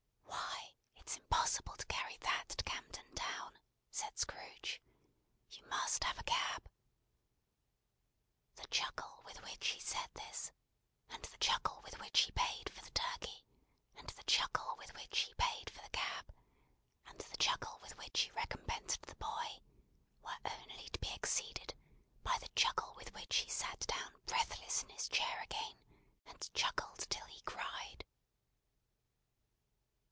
"Why, it's impossible to carry that to Camden Town," said Scrooge. "You must have a cab." The chuckle with which he said this, and the chuckle with which he paid for the Turkey, and the chuckle with which he paid for the cab, and the chuckle with which he recompensed the boy, were only to be exceeded by the chuckle with which he sat down breathless in his chair again, and chuckled till he cried.